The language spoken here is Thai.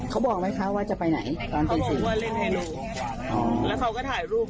เขาบอกไหมคะว่าจะไปไหนเขาบอกว่าเรียกแล้วเขาก็ถ่ายรูป